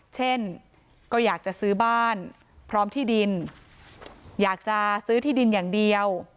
เช่นก็อยากจะซื้อบ้านพร้อมที่ดินอยากจะซื้อที่ดินอย่างเดียว